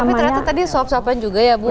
tapi ternyata tadi suap suapan juga ya bu